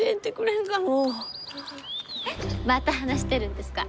また話してるんですか？